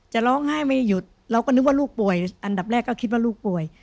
จะร้องไห้ไม่หยุดเราก็นึกว่าลูกป่วยอันดับแรกก็คิดว่าลูกป่วย